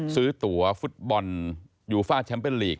ซื้อตัวฟุตบอลยูฟ่าแชมป์เป็นลีก